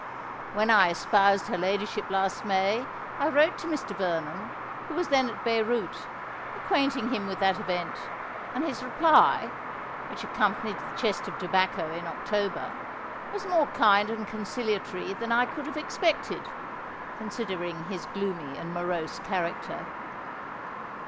When I espoused her ladyship last May, I wrote to Mr. Vernon, who was then at Beyrout, acquainting him with that event; and his reply, which accompanied the chest of tobacco in October, was more kind and conciliatory than I could have expected, considering his gloomy and morose character."